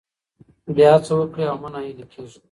بیا هڅه وکړئ او مه نه هیلي کیږئ.